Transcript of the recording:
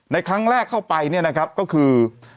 ในครั้งแรกเข้าไปเนี่ยนะครับก็คือ